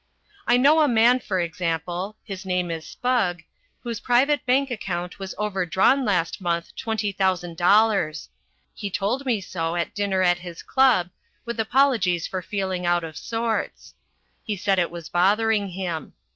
I know a man, for example his name is Spugg whose private bank account was overdrawn last month twenty thousand dollars. He told me so at dinner at his club, with apologies for feeling out of sorts. He said it was bothering him.